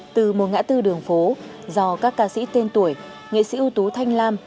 từ một ngã tư đường phố do các ca sĩ tên tuổi nghệ sĩ ưu tú thanh lam